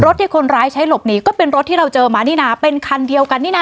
ที่คนร้ายใช้หลบหนีก็เป็นรถที่เราเจอมานี่นะเป็นคันเดียวกันนี่นะ